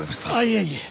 いえいえ。